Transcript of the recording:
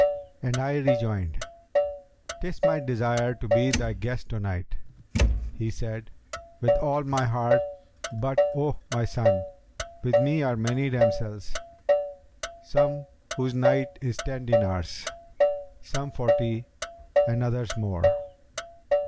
and I rejoined, ''Tis my desire to be thy guest to night.' He said, 'With all my heart; but, O my son, with me are many damsels, some whose night is ten dinars, some forty and others more.